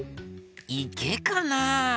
いけかな？